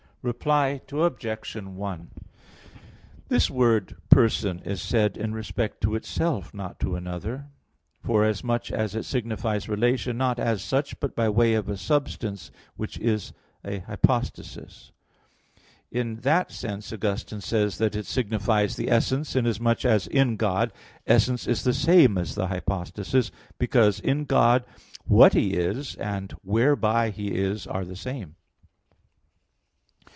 Reply Obj. 1: This word "person" is said in respect to itself, not to another; forasmuch as it signifies relation not as such, but by way of a substance which is a hypostasis. In that sense Augustine says that it signifies the essence, inasmuch as in God essence is the same as the hypostasis, because in God what He is, and whereby He is are the same.